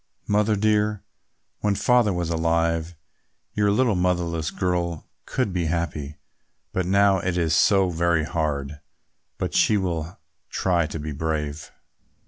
"Mother dear, when Father was alive, your little motherless girl could be happy; but now it is so very hard; but she will try to be brave."